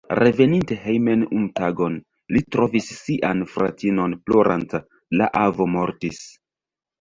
Reveninte hejmen unu tagon, li trovis sian fratinon ploranta: la avo mortis.